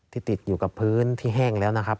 ติดอยู่กับพื้นที่แห้งแล้วนะครับ